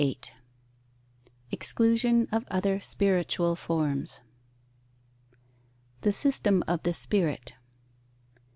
VIII EXCLUSION OF OTHER SPIRITUAL FORMS _The system of the spirit.